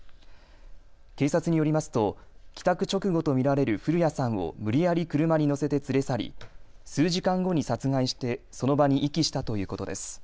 警察によりますと帰宅直後と見られる古屋さんを無理やり車に乗せて連れ去り数時間後に殺害してその場に遺棄したということです。